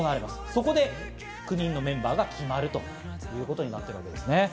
そこで、９人のメンバーが決まるということになっております。